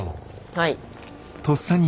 はい。